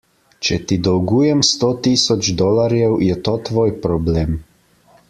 Če ti dolgujem sto tisoč dolarjev, je to tvoj problem.